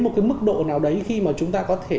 một cái mức độ nào đấy khi mà chúng ta có thể